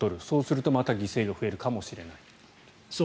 そうするとまた犠牲が増えるかもしれない。